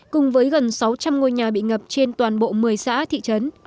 cùng với gần sáu trăm linh ngôi nhà bị ngập trên toàn bộ một mươi xã thị trấn